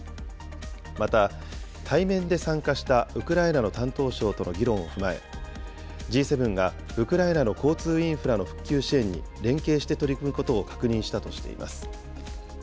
また、対面で参加したウクライナの担当相との議論を踏まえ、Ｇ７がウクライナの交通インフラの復旧支援に連携して取り組むことを確認したとしています。